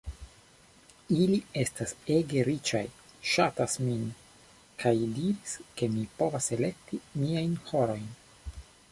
Ili estas ege riĉaj, ŝatas min, kaj diris ke mi povas elekti miajn horojn.